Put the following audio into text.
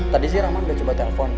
tadi sih rahman udah coba telepon